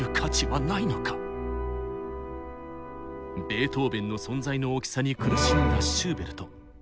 ベートーベンの存在の大きさに苦しんだシューベルト。